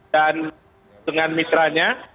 dan dengan mitranya